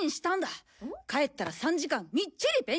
帰ったら３時間みっちり勉強をする。